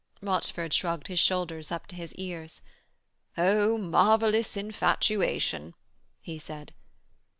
Rochford shrugged his shoulders up to his ears. 'Oh marvellous infatuation,' he said.